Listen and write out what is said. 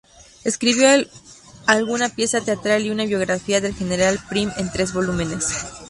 Escribió alguna pieza teatral y una biografía del general Prim en tres volúmenes.